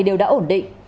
đều đã ổn định